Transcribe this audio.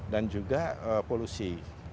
dan juga polusi